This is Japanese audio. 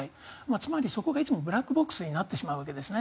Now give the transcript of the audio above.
つまり、そこがいつもブラックボックスになってしまうわけですね。